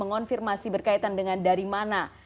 masing masing hal yang masih berkaitan dengan dari mana